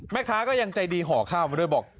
ก็ยังใจดีห่อข้าวมาด้วยบอก